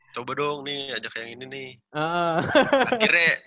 coba dong nih ajak yang ini nih